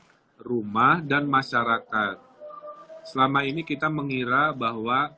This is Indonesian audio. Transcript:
nah sekolah ini adalah tanggung jawab semua pihak selama ini sebelum covid ya